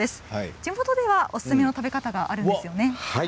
地元ではおすすめの食べ方があるんですよね。